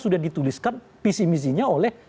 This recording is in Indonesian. sudah dituliskan visi misinya oleh